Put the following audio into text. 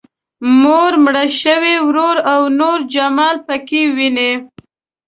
مور، مړ شوی ورور او نور جمال پکې ويني.